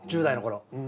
１０代の頃。